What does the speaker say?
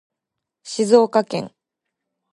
静岡県